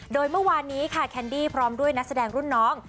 โดยเมื่อวานนี้ค่ะแคนดี้พร้อมด้วยนักแสดงรุ่นน้อง